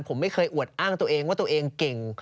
ผมไม่เคยอวดอ้างตัวเองว่าตัวเองเก่ง